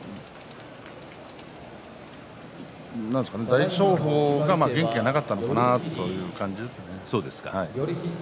大翔鵬の元気がなかったという感じですね。